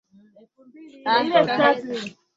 Kikafuata kizazi chenye asili ya jina la Tang